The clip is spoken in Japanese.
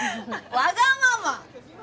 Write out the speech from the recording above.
わがまま！